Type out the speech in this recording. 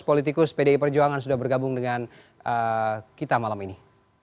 politikus pdi perjuangan sudah bergabung dengan kita malam ini